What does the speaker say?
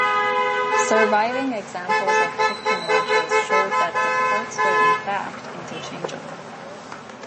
Surviving examples of Pitkin watches showed that the parts were, in fact, interchangeable.